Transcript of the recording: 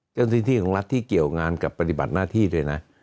เจ้าหน้าที่ที่ของรัฐที่เกี่ยวงานกับปฏิบัติหน้าที่ด้วยนะ